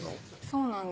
そうなんです